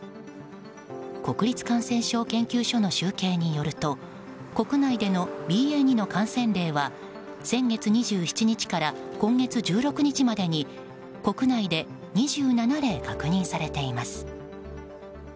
国立感染症研究所の集計によると国内でのＢＡ．２の感染例は先月２７日から今月１６日までに国内で２７例確認されています。